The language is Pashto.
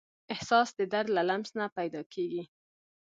احساس د درد له لمس نه پیدا کېږي.